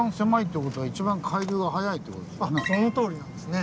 そのとおりなんですね。